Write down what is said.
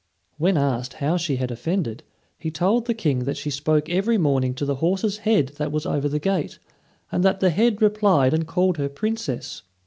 When asked how she had offended, he told the King that she spoke every morning to the horse's head that was over the gate, and that the head replied and called her Princess.